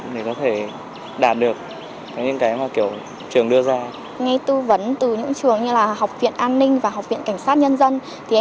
để tạo động lực cho bọn em thi vào các trường học viện an ninh và học viện cảnh sát nhân dân